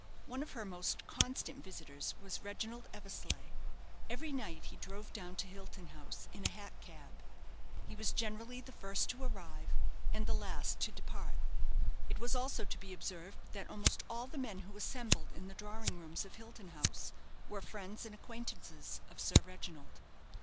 One of her most constant visitors was Reginald Eversleigh. Every night he drove down to Hilton House in a hack cab. He was generally the first to arrive and the last to depart. It was also to be observed that almost all the men who assembled in the drawing rooms of Hilton House were friends and acquaintances of Sir Reginald.